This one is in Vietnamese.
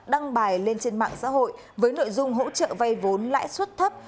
đăng bài lên trên mạng xã hội với nội dung hỗ trợ vay vốn lãi suất thấp